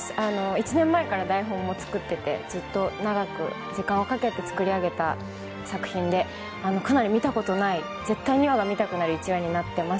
１年前から台本も作っていてずっと長く時間をかけて作り上げた作品でかなり見たことのない絶対にまた見たくなるような１話になっています。